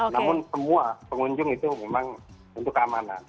namun semua pengunjung itu memang untuk keamanan